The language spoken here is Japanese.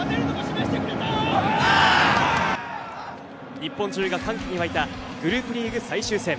日本中が歓喜に沸いたグループリーグ最終戦。